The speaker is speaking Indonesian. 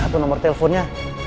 atau nomor teleponnya